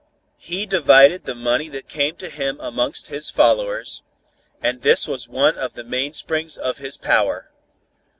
He divided the money that came to him amongst his followers, and this was one of the mainsprings of his power.